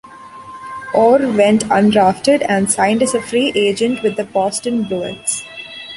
Orr went undrafted and signed as a free agent with the Boston Bruins.